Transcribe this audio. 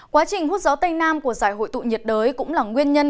quá trình hút gió tây nam của giải hội tụ nhiệt đới cũng là nguyên nhân